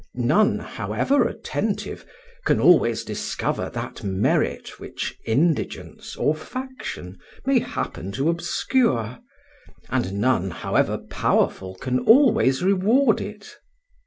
None, however attentive, can always discover that merit which indigence or faction may happen to obscure, and none, however powerful, can always reward it.